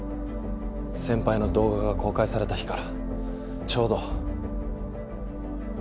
先輩の動画が公開された日からちょうど。